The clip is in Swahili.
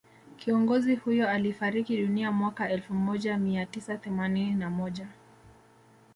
Kiongozi huyo alifariki dunia mwaka elfu moja mia tisa themanini na moja